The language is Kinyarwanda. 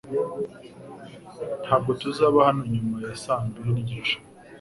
Ntabwo tuzaba hano nyuma ya saa mbiri nigice .